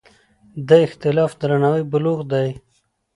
د اختلاف درناوی بلوغ دی